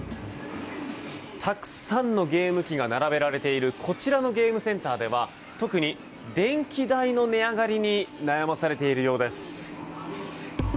たくさんのゲーム機が並べられているこちらのゲームセンターでは特に電気代の値上がりに悩まされているようです。